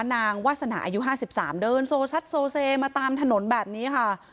นางวาสนาอายุห้าสิบสามเดินโซซัดโซเซมาตามถนนแบบนี้ค่ะ